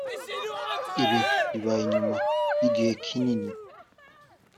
Ibi bibaye nyuma y’igihe kinini